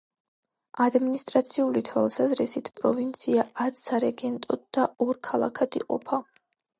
ადმინისტრაციული თვალსაზრისით, პროვინცია ათ სარეგენტოდ და ორ ქალაქად იყოფა.